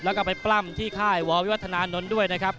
แล้วก็ไปปล้ำที่ค่ายววิวัฒนานนท์ด้วยนะครับ